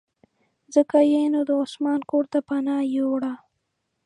ځکه یې نو د عثمان کورته پناه یووړه.